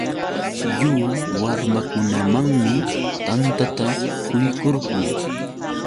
Lliw warmakunamanmi tantata quykurqun.